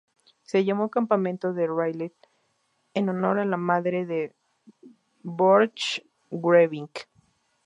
Se llamó Campamento de Ridley en honor a la madre de Borchgrevink.